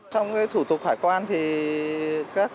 trong thủ tục hải quan thì các bác